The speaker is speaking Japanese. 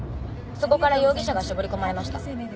そこから容疑者が絞り込まれました。